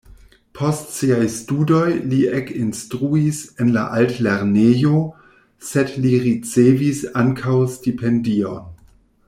Post siaj studoj li ekinstruis en la altlernejo, sed li ricevis ankaŭ stipendion.